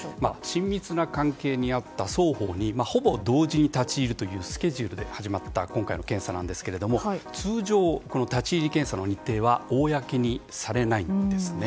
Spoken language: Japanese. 親密な関係にあった双方にほぼ同時に立ち入るというスケジュールで始まった今回の検査なんですが通常、立ち入り検査の日程は公にされないんですね。